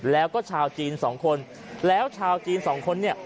แล้วก็ชาวจีนสองคนแล้วชาวจีนสองคนเนี่ย